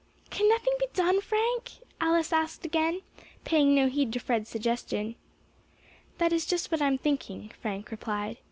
"Can nothing be done, Frank?" Alice again asked, paying no heed to Fred's suggestion. "That is just what I am thinking," Frank replied.